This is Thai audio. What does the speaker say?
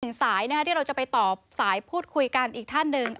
สายที่เราจะไปต่อสายพูดคุยกันอีกท่านหนึ่ง